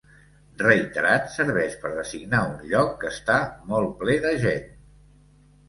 Reiterat, serveix per designar un lloc que està molt ple de gent.